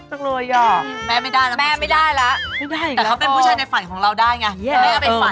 แต่เขาเป็นผู้ชายในฝันของเราได้ไง